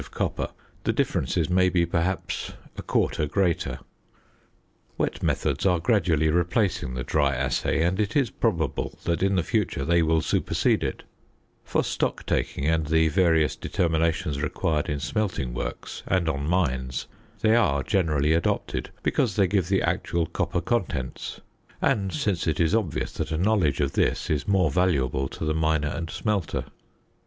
of copper, the differences may be perhaps 1/4 greater. Wet methods are gradually replacing the dry assay, and it is probable that in the future they will supersede it; for stock taking, and the various determinations required in smelting works and on mines, they are generally adopted, because they give the actual copper contents, and since it is obvious that a knowledge of this is more valuable to the miner and smelter.